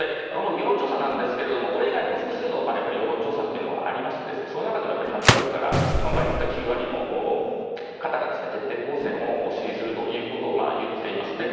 世論調査ですがこれ以外にも複数の世論調査がありましてその中でも８割から場合によっては９割の方が徹底抗戦を支持すると言っています。